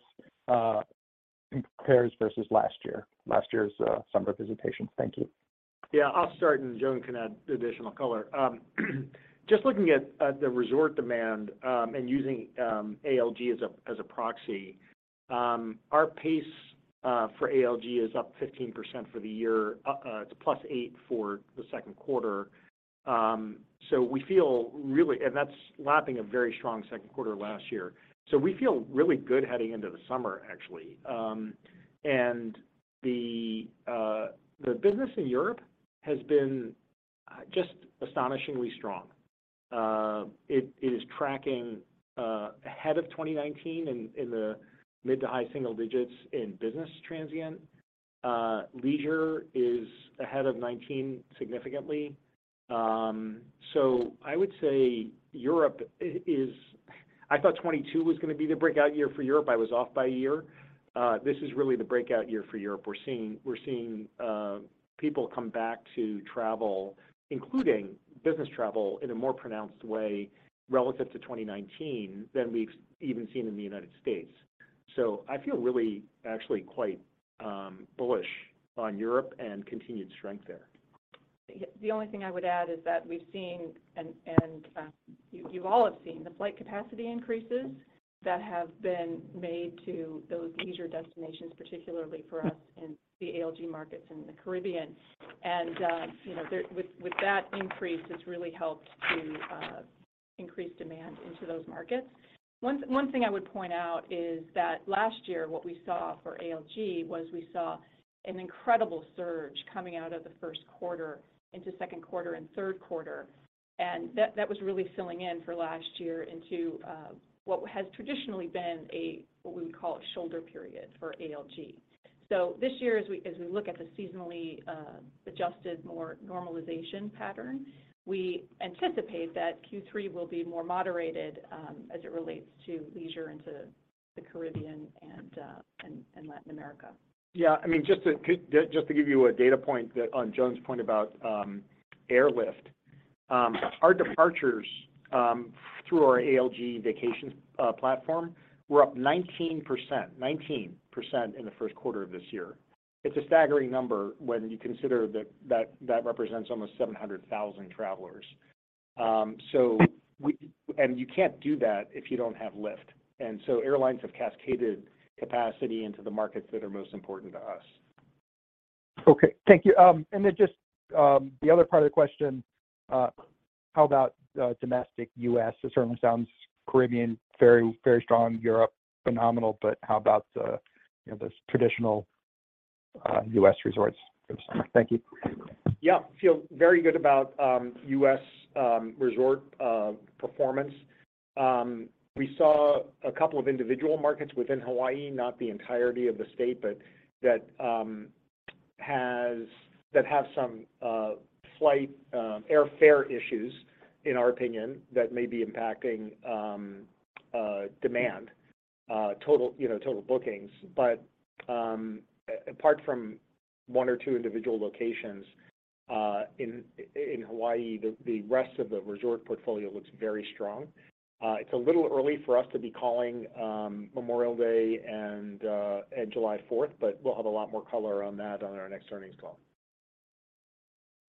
compares versus last year's summer visitations. Thank you. Yeah. I'll start, and Joan can add additional color. Just looking at the resort demand, and using ALG as a proxy, our pace for ALG is up 15% for the year, it's +8% for the second quarter. And that's lapping a very strong second quarter last year. We feel really good heading into the summer, actually. The business in Europe has been just astonishingly strong. It is tracking ahead of 2019 in the mid-to-high single digits in business transient. Leisure is ahead of 2019 significantly. I would say Europe I thought 2022 was gonna be the breakout year for Europe. I was off by a year. This is really the breakout year for Europe. We're seeing people come back to travel, including business travel in a more pronounced way relative to 2019 than we've even seen in the United States. I feel really actually quite bullish on Europe and continued strength there. The only thing I would add is that we've seen, and you all have seen the flight capacity increases that have been made to those leisure destinations, particularly for us in the ALG markets in the Caribbean. you know, with that increase, it's really helped to increase demand into those markets. One thing I would point out is that last year, what we saw for ALG was we saw an incredible surge coming out of the first quarter into second quarter and third quarter, and that was really filling in for last year into what has traditionally been a, what we would call a shoulder period for ALG. This year, as we look at the seasonally adjusted more normalization pattern, we anticipate that Q3 will be more moderated, as it relates to leisure into the Caribbean and Latin America. Yeah. I mean, just to give you a data point that on Joan's point about airlift, our departures through our ALG Vacations platform were up 19% in the first quarter of this year. It's a staggering number when you consider that that represents almost 700,000 travelers. You can't do that if you don't have lift. Airlines have cascaded capacity into the markets that are most important to us. Okay. Thank you. Then just the other part of the question, how about domestic U.S.? It certainly sounds Caribbean, very, very strong, Europe, phenomenal, but how about, you know, those traditional U.S. resorts? Thank you. Yeah. Feel very good about U.S. resort performance. We saw a couple of individual markets within Hawaii, not the entirety of the state, but that have some flight airfare issues in our opinion that may be impacting demand, total, you know, total bookings. Apart from one or two individual locations in Hawaii, the rest of the resort portfolio looks very strong. It's a little early for us to be calling Memorial Day and July Fourth, but we'll have a lot more color on that on our next earnings call.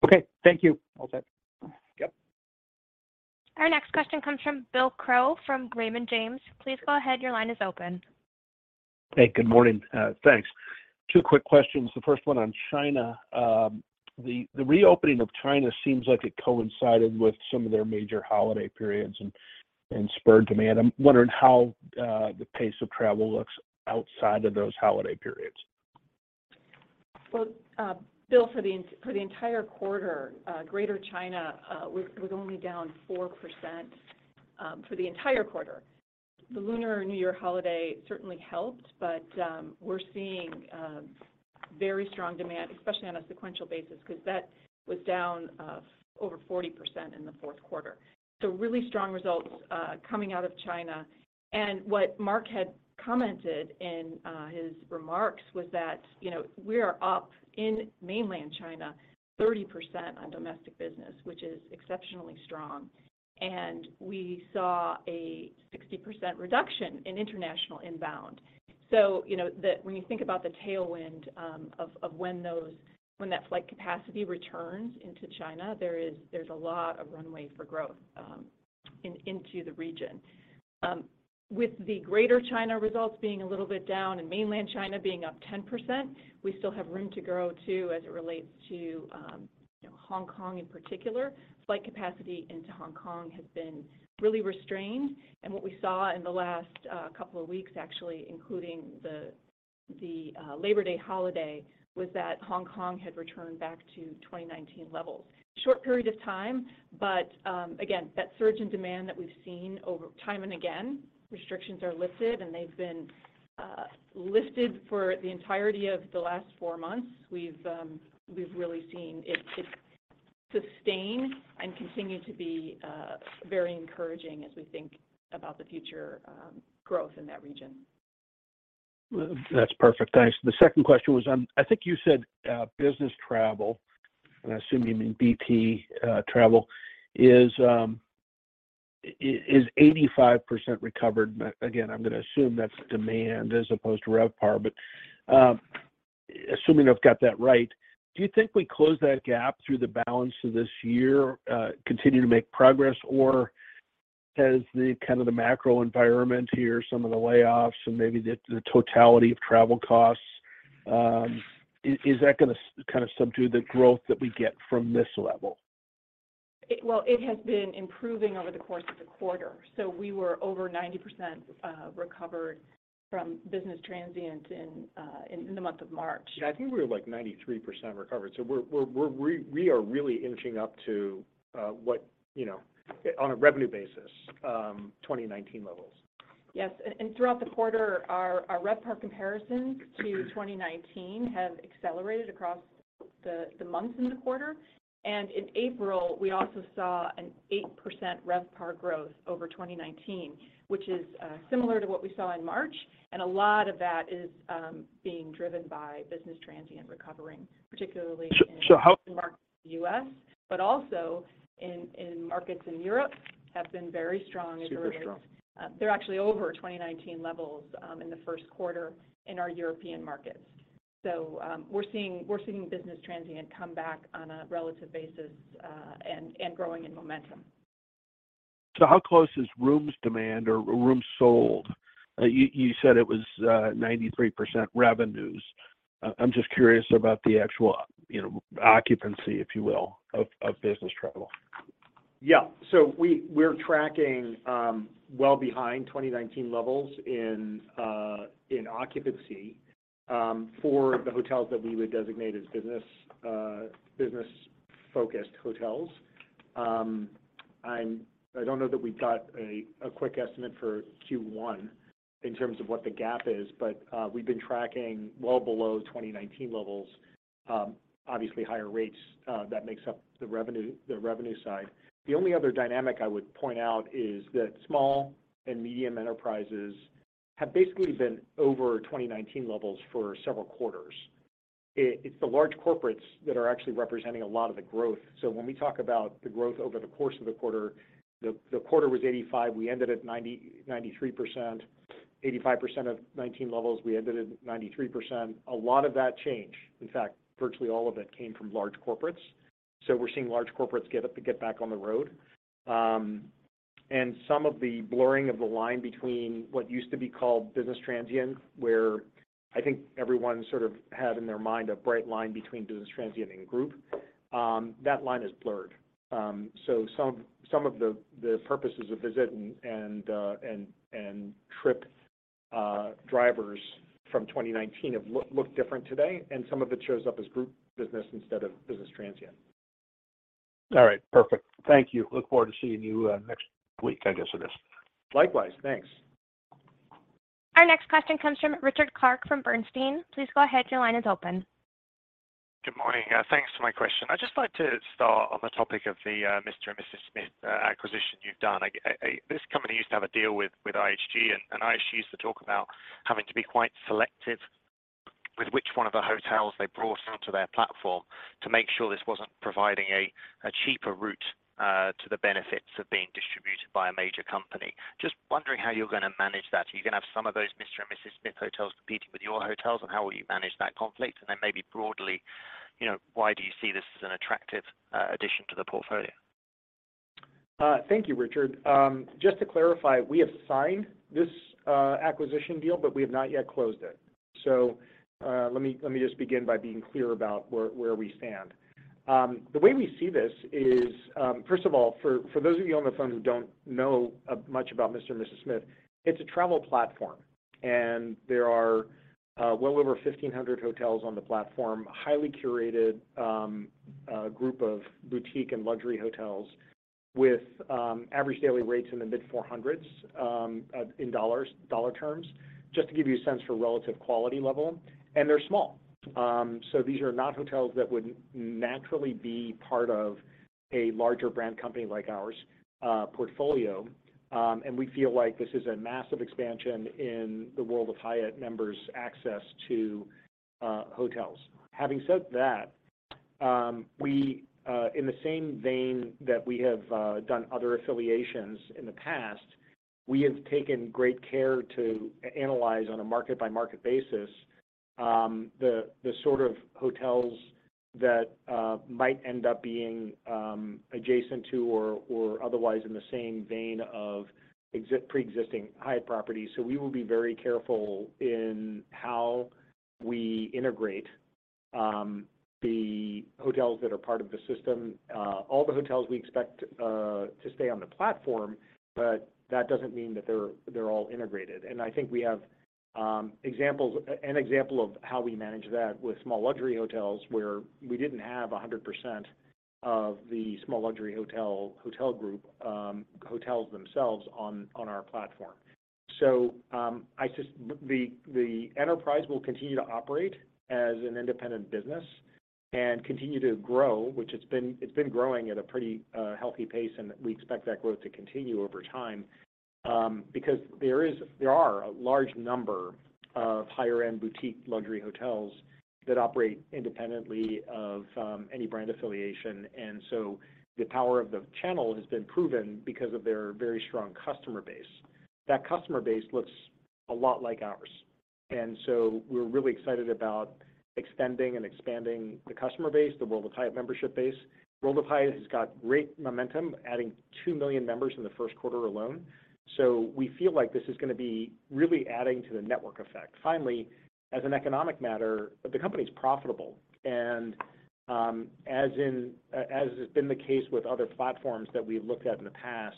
Okay, thank you. All set. Yep. Our next question comes from William Crow from Raymond James. Please go ahead. Your line is open. Hey, good morning. thanks. Two quick questions. The first one on China. The reopening of China seems like it coincided with some of their major holiday periods and spurred demand. I'm wondering how the pace of travel looks outside of those holiday periods. Well, Bill, for the entire quarter, Greater China was only down 4% for the entire quarter. The Lunar New Year holiday certainly helped, but we're seeing very strong demand, especially on a sequential basis, because that was down over 40% in the fourth quarter. Really strong results coming out of China. What Mark had commented in his remarks was that, you know, we are up in mainland China 30% on domestic business, which is exceptionally strong. We saw a 60% reduction in international inbound. You know, when you think about the tailwind of when that flight capacity returns into China, there's a lot of runway for growth into the region. With the Greater China results being a little bit down and mainland China being up 10%, we still have room to grow too as it relates to, you know, Hong Kong in particular. Flight capacity into Hong Kong has been really restrained, and what we saw in the last couple of weeks actually, including the Labor Day holiday, was that Hong Kong had returned back to 2019 levels. Short period of time, but again, that surge in demand that we've seen over time and again, restrictions are lifted, and they've been lifted for the entirety of the last 4 months. We've really seen it sustain and continue to be very encouraging as we think about the future growth in that region. That's perfect. Thanks. The second question was on, I think you said, business travel, and I assume you mean BT travel, is 85% recovered. Again, I'm gonna assume that's demand as opposed to RevPAR. Assuming I've got that right, do you think we close that gap through the balance of this year, continue to make progress? Has the kind of the macro environment here, some of the layoffs, and maybe the totality of travel costs, is that gonna kind of subdue the growth that we get from this level? Well, it has been improving over the course of the quarter. We were over 90% recovered from business transient in the month of March. Yeah. I think we were like 93% recovered. We are really inching up to what, you know, on a revenue basis, 2019 levels. Yes. Throughout the quarter, our RevPAR comparisons to 2019 have accelerated across the months in the quarter. In April, we also saw an 8% RevPAR growth over 2019, which is similar to what we saw in March. A lot of that is being driven by business transient recovering, particularly in- How Markets in the U.S., but also in markets in Europe have been very strong as it relates. Super strong. They're actually over 2019 levels in the first quarter in our European markets. We're seeing business transient come back on a relative basis and growing in momentum. How close is rooms demand or rooms sold? You said it was 93% revenues. I'm just curious about the actual, you know, occupancy, if you will, of business travel. Yeah. We're tracking well behind 2019 levels in occupancy for the hotels that we would designate as business-focused hotels. I don't know that we've got a quick estimate for Q1 in terms of what the gap is, but we've been tracking well below 2019 levels. Obviously higher rates, that makes up the revenue side. It's the large corporates that are actually representing a lot of the growth. When we talk about the growth over the course of the quarter, the quarter was 85. We ended at 93%. 85% of 19 levels, we ended at 93%. A lot of that change, in fact, virtually all of it came from large corporates. We're seeing large corporates get back on the road. Some of the blurring of the line between what used to be called business transient, where I think everyone sort of had in their mind a bright line between business transient and group, that line is blurred. Some of the purposes of visit and trip drivers from 2019 have look different today, and some of it shows up as group business instead of business transient. All right, perfect. Thank you. Look forward to seeing you, next week, I guess it is. Likewise. Thanks. Our next question comes from Richard Clarke from Bernstein. Please go ahead. Your line is open. Good morning. Thanks for my question. I'd just like to start on the topic of the Mr & Mrs Smith acquisition you've done. This company used to have a deal with IHG, and IHG used to talk about having to be quite selective with which one of the hotels they brought onto their platform to make sure this wasn't providing a cheaper route to the benefits of being distributed by a major company. Just wondering how you're gonna manage that. Are you gonna have some of those Mr & Mrs Smith hotels competing with your hotels, and how will you manage that conflict? Maybe broadly, you know, why do you see this as an attractive addition to the portfolio? Thank you, Richard. Just to clarify, we have signed this acquisition deal, but we have not yet closed it. Let me just begin by being clear about where we stand. The way we see this is, first of all, for those of you on the phone who don't know much about Mr. and Mrs. Smith, it's a travel platform, and there are well over 1,500 hotels on the platform, highly curated group of boutique and luxury hotels with average daily rates in the mid $400s in dollar terms, just to give you a sense for relative quality level. And they're small. So these are not hotels that would naturally be part of a larger brand company like ours portfolio. And we feel like this is a massive expansion in the World of Hyatt members' access to hotels. Having said that, we in the same vein that we have done other affiliations in the past, we have taken great care to analyze on a market by market basis, the sort of hotels that might end up being adjacent to or otherwise in the same vein of pre-existing Hyatt properties. We will be very careful in how we integrate the hotels that are part of the system. All the hotels we expect to stay on the platform, but that doesn't mean that they're all integrated. I think we have examples. An example of how we manage that with Small Luxury Hotels where we didn't have 100% of the Small Luxury Hotel, hotel group, hotels themselves on our platform. The enterprise will continue to operate as an independent business and continue to grow, which it's been growing at a pretty healthy pace, and we expect that growth to continue over time. Because there are a large number of higher end boutique luxury hotels that operate independently of any brand affiliation. The power of the channel has been proven because of their very strong customer base. That customer base looks a lot like ours, and so we're really excited about extending and expanding the customer base, the World of Hyatt membership base. World of Hyatt has got great momentum, adding two million members in the first quarter alone. We feel like this is gonna be really adding to the network effect. Finally, as an economic matter, the company's profitable. As has been the case with other platforms that we've looked at in the past,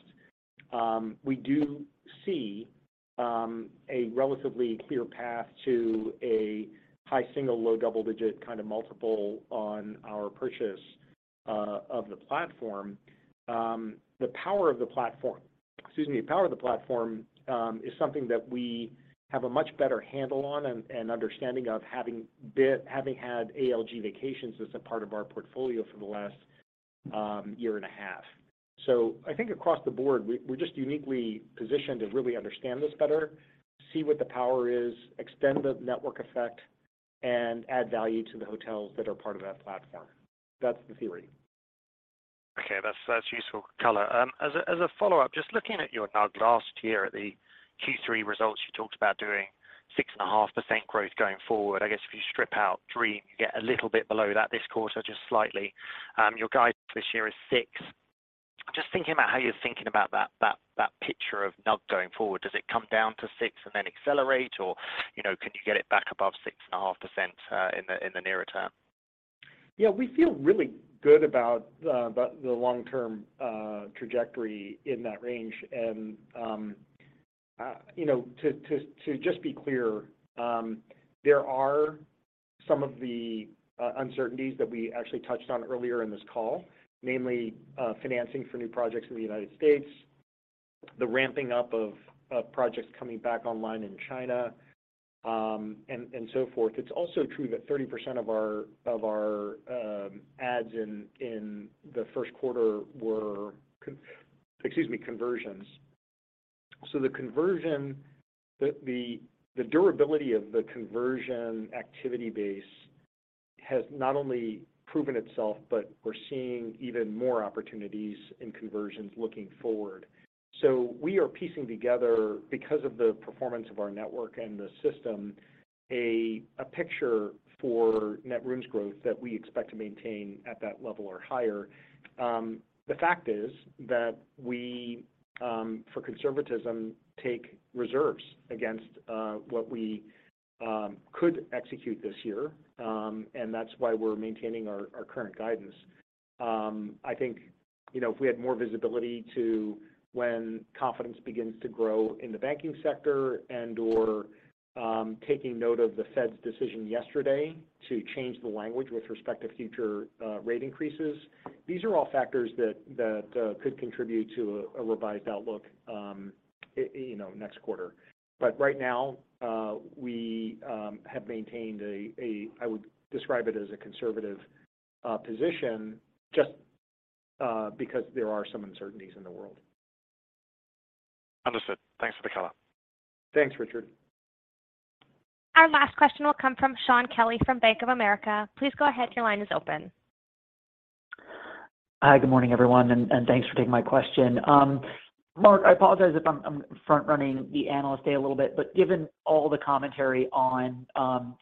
we do see a relatively clear path to a high single, low double-digit kind of multiple on our purchase of the platform. The power of the platform, excuse me, the power of the platform is something that we have a much better handle on and understanding of having had ALG Vacations as a part of our portfolio for the last year and a half. I think across the board, we're just uniquely positioned to really understand this better, see what the power is, extend the network effect, and add value to the hotels that are part of that platform. That's the theory. Okay. That's useful color. As a follow-up, just looking at your NUG last year at the Q3 results, you talked about doing 6.5% growth going forward. I guess if you strip out Dream, you get a little bit below that this quarter, just slightly. Your guidance this year is 6%. Just thinking about how you're thinking about that picture of NUG going forward. Does it come down to 6% and then accelerate, or, you know, can you get it back above 6.5% in the nearer term? Yeah. We feel really good about the long-term trajectory in that range. you know, to just be clear, there are some of the uncertainties that we actually touched on earlier in this call. Mainly, financing for new projects in the United States, the ramping up of projects coming back online in China, and so forth. It's also true that 30% of our ads in the first quarter were conversions. The conversion, the durability of the conversion activity base has not only proven itself, but we're seeing even more opportunities in conversions looking forward. We are piecing together, because of the performance of our network and the system, a picture for net rooms growth that we expect to maintain at that level or higher. The fact is that we, for conservatism, take reserves against what we could execute this year. That's why we're maintaining our current guidance. I think, you know, if we had more visibility to when confidence begins to grow in the banking sector and/or, taking note of the Fed's decision yesterday to change the language with respect to future rate increases, these are all factors that could contribute to a revised outlook, you know, next quarter. Right now, we have maintained I would describe it as a conservative position just because there are some uncertainties in the world. Understood. Thanks for the color. Thanks, Richard. Our last question will come from Shaun Kelley from Bank of America. Please go ahead, your line is open. Hi, good morning everyone, thanks for taking my question. Mark, I apologize if I'm front-running the analyst day a little bit, but given all the commentary on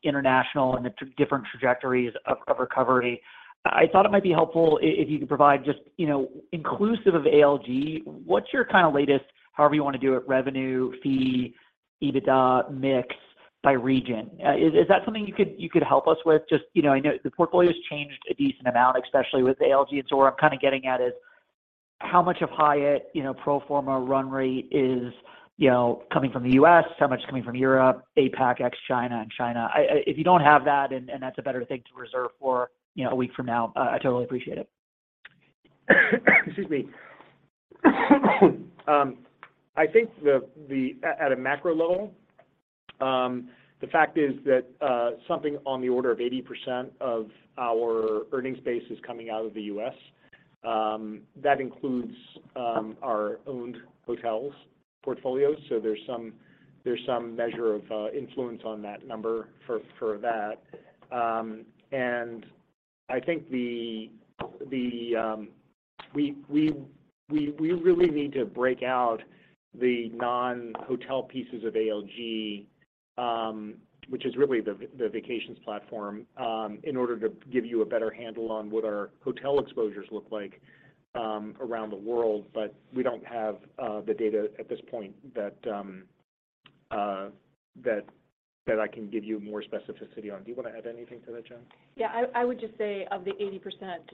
international and the different trajectories of recovery, I thought it might be helpful if you could provide just, you know, inclusive of ALG, what's your kind of latest, however you want to do it, revenue fee, EBITDA mix by region? Is that something you could help us with? Just, you know, I know the portfolio's changed a decent amount, especially with ALG and Zoëtry. What I'm kind of getting at is how much of Hyatt, you know, pro forma run rate is, you know, coming from the US, how much is coming from Europe, APAC, ex China and China. I, if you don't have that and that's a better thing to reserve for, you know, a week from now, I totally appreciate it. Excuse me. I think at a macro level, the fact is that something on the order of 80% of our earnings base is coming out of the U.S. That includes our owned hotels portfolios, there's some measure of influence on that number for that. I think the We really need to break out the non-hotel pieces of ALG, which is really the vacations platform, in order to give you a better handle on what our hotel exposures look like around the world. We don't have the data at this point that I can give you more specificity on. Do you want to add anything to that, Joan? I would just say of the 80%,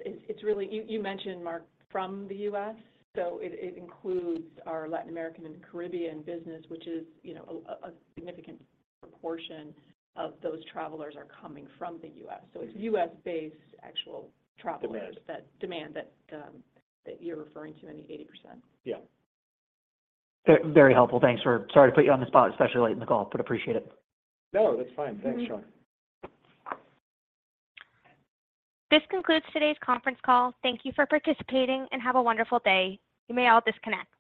it's really. You mentioned Mark from the U.S., so it includes our Latin American and Caribbean business, which is, you know, a significant proportion of those travelers are coming from the U.S. It's U.S.-based actual travelers. Demand. that, demand that you're referring to in the 80%. Yeah. Very helpful. Sorry to put you on the spot, especially late in the call, but appreciate it. No, that's fine. Thanks, Shaun. This concludes today's conference call. Thank you for participating and have a wonderful day. You may all disconnect.